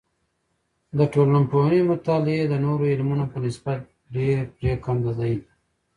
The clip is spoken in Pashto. د ټولنپوهنې مطالعې د نورو علمونو په نسبت ډیر پریکنده دی.